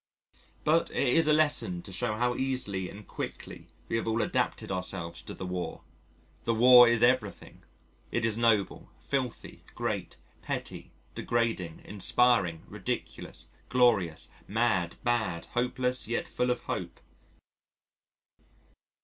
But it is a lesson to show how easily and quickly we have all adapted ourselves to the War. The War is everything; it is noble, filthy, great, petty, degrading, inspiring, ridiculous, glorious, mad, bad, hopeless yet full of hope.